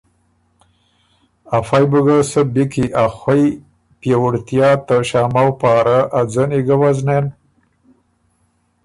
افئ بُو ګۀ سۀ بی کی ا خوئ پيېوُړتیا ته شامؤ پاره ا ځنی ګۀ وزنېن